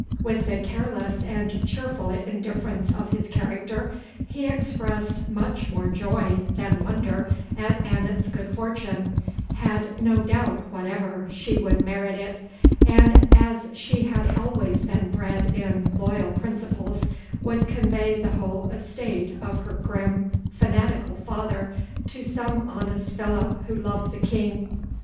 With the careless and cheerful indifference of his character, he expressed much more joy than wonder at Annot's good fortune; had no doubt whatever she would merit it, and as she had always been bred in loyal principles, would convey the whole estate of her grim fanatical father to some honest fellow who loved the king.